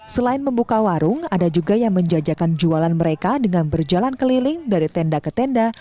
selain membuka warung ada juga yang menjajakan jualan mereka dengan berjalan keliling dari tenda ke tenda